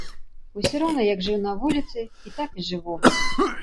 Усё роўна як жыў на вуліцы, і так і жыву.